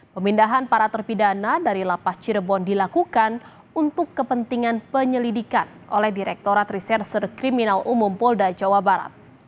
pemindahan para terpidana dari lapas cirebon dilakukan untuk kepentingan penyelidikan oleh direkturat reserse kriminal umum polda jawa barat